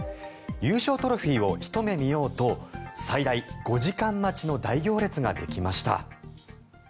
優勝トロフィーをひと目見ようと最大５時間待ちの大行列ができました。